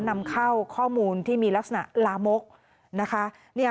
นำเข้าข้อมูลที่มีลักษณะลามกนะคะ